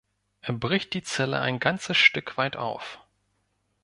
Er bricht die Zelle ein ganzes Stück weit auf.